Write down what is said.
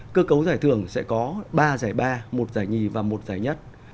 cơ cấu giải thưởng sẽ có ba giải ba một giải nhì và một giải nhất